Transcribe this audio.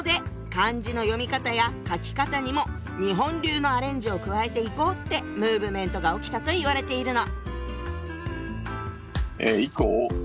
漢字の読み方や書き方にも日本流のアレンジを加えていこうってムーブメントが起きたといわれているの。